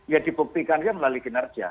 ya dibuktikannya melalui kinerja